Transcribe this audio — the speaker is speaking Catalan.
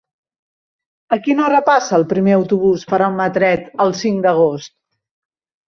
A quina hora passa el primer autobús per Almatret el cinc d'agost?